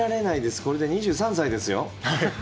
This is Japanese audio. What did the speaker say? これで２３歳ですよ。